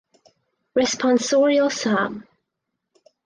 Responsorial Psalm: